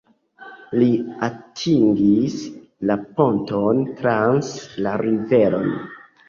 Li atingis la ponton trans la riveron.